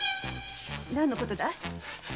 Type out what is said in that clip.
何のことだい？